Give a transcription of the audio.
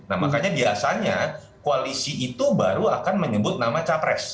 nah makanya biasanya koalisi itu baru akan menyebut nama capres